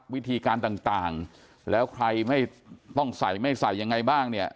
วิธีการต่างแล้วใครไม่ต้องใส่ไม่ใส่ยังไงบ้างเนี่ย